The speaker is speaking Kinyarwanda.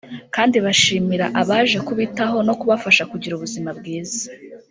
kandi bashimira abaje kubitaho no kubafasha kugira ubuzima bwiza